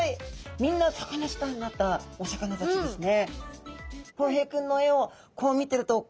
みんなサカナスターになったお魚たちですね。